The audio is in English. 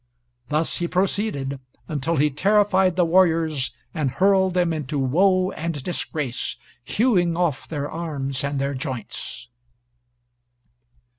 Thus he proceeded until he terrified the warriors, and hurled them into woe and disgrace, hewing off their arms and their joints.